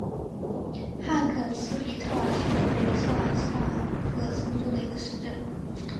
汉肯斯比特尔是德国下萨克森州的一个市镇。